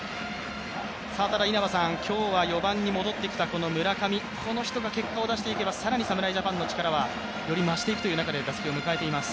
今日は４番に戻ってきた村上、この人が結果を出していけば更に侍ジャパンの力はより増していくという中で打席を迎えています。